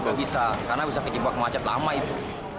tidak bisa karena bisa kejibat kemacet lama itu